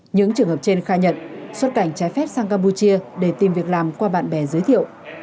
những trường hợp trên khai nhận xuất cảnh trái phép sang campuchia để tìm việc làm qua bạn bè giới thiệu